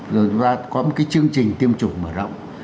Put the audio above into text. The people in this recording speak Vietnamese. rồi chúng ta có một cái chương trình tiêm chủng mở rộng